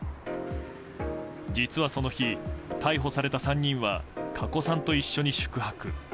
実はその日、逮捕された３人は加古さんと一緒に宿泊。